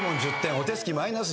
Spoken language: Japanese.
お手つきマイナス１０点。